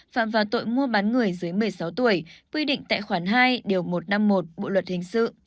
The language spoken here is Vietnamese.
phạm vào tội mua bán người dưới một mươi sáu tuổi quy định tại khoản hai điều một trăm năm mươi một bộ luật hình sự